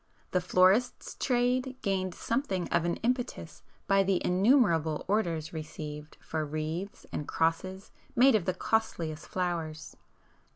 The florist's trade gained something of an impetus by the innumerable orders received for wreaths and crosses made of the costliest flowers.